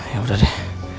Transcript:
ya udah deh